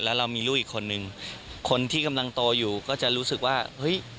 แล้วเรามีลูกอีกคนนึงคนที่กำลังโตอยู่ก็จะรู้สึกว่าเฮ้ย